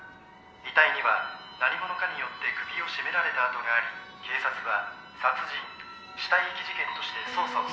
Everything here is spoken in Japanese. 遺体には何者かによって首を絞められた痕があり警察は殺人死体遺棄事件として捜査を。